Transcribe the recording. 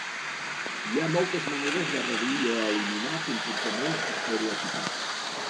Hi ha moltes maneres de reduir o eliminar comportaments estereotipats.